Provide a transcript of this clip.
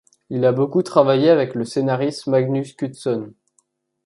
Il a beaucoup travaillé avec le scénariste Magnus Knutsson.